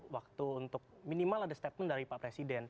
waktu untuk minimal ada step in dari pak presiden